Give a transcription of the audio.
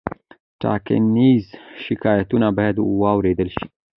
ټاکنیز شکایتونه باید واوریدل شي.